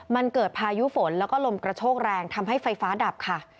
มันเกิดพายุฝนแล้วก็ลมกระโชกแรงทำให้ไฟฟ้าดับค่ะ